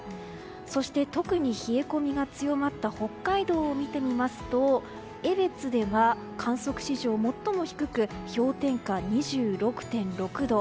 そして特に冷え込みが強まった北海道を見てみますと江別では観測史上最も低く氷点下２６．６度。